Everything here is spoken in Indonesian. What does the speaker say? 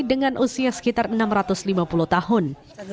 dengan usia sekitar enam ratus lima puluh tahun